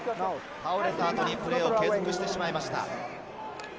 倒れた後にプレーを継続してしまいました。